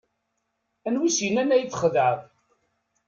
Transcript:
Anwa is-yennan ad iyi-txedɛeḍ?